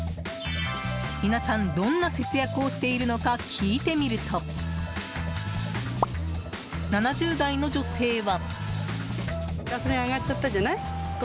皆さん、どんな節約をしてるのか聞いてみると７０代の女性は。